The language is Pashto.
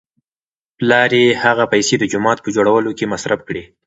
پلار یې هغه پیسې د جومات په جوړولو کې مصرف کړې.